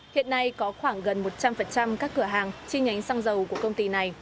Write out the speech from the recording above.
hiện nay có khoảng gần một trăm linh các cửa hàng chi nhánh xăng dầu của công ty này